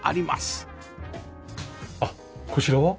あっこちらは？